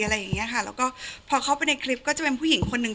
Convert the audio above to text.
อะไรอย่างเงี้ยค่ะแล้วก็พอเข้าไปในคลิปก็จะเป็นผู้หญิงคนหนึ่ง